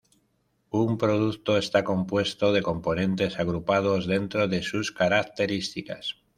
Un producto está compuesto de componentes agrupados dentro de sus características.